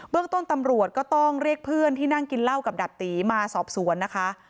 เรื่องต้นตำรวจก็ต้องเรียกเพื่อนที่นั่งกินเหล้ากับดับตีมาสอบสวนนะคะ